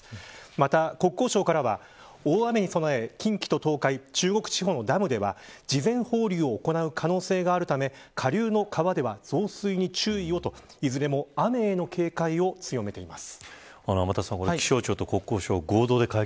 また、国交省からは大雨に備え近畿と東海、中国地方などではダムでは事前放流を行う可能性があるため下流の川では増水に注意を、といずれも雨への警戒を強めています。